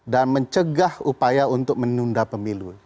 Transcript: dan mencegah upaya untuk menunda pemilu